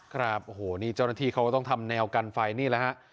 ครับโอ้โหนี่เจ้าหน้าที่เขาก็ต้องทำแนวกันไฟนี่แหละฮะ